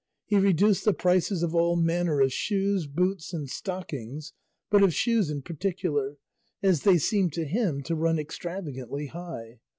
He reduced the prices of all manner of shoes, boots, and stockings, but of shoes in particular, as they seemed to him to run extravagantly high.